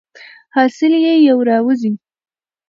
حاصل یې یو را وزي.